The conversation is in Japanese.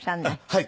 はい。